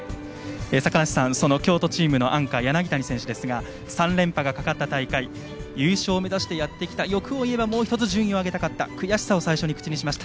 その京都チームのアンカー柳谷選手ですが３連覇がかかった大会優勝を目指してやってきた欲を言えばもう１つ上げたかった悔しさを口にしました。